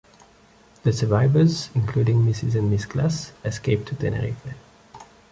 The survivors, including Mrs and Miss Glas, escaped to Tenerife.